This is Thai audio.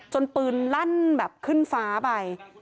จนปืนลั่นอยู่ขึ้นฟ้าไป